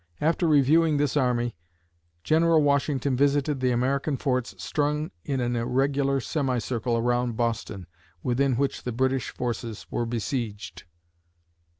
After reviewing this army, General Washington visited the American forts strung in an irregular semi circle around Boston, within which the British forces were besieged.